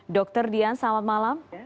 dr dian selamat malam